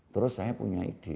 terus saya punya ide